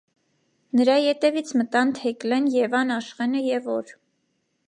Նրա ետևից մտան Թեկլեն, Եվան, Աշխենը և օր.